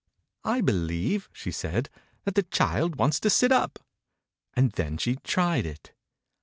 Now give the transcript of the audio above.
«I believe," she said, "that the child wants to sit up," and then she tried it.